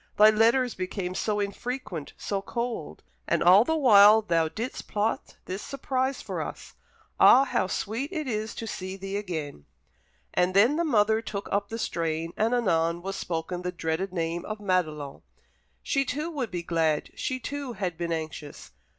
Thy letters became so infrequent, so cold. And all the while thou didst plot this surprise for us. Ah, how it is sweet to see thee again!" And then the mother took up the strain, and anon was spoken the dreaded name of Madelon. She too would be glad she too had been anxious.